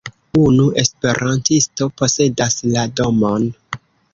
Unu esperantisto posedas la domon.